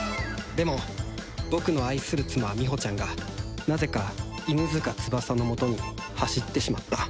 でも僕の愛する妻みほちゃんがなぜか犬塚翼の元に走ってしまった